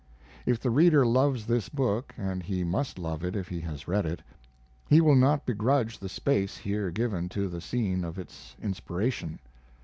If the reader loves this book, and he must love it if he has read it, he will not begrudge the space here given to the scene of its inspiration.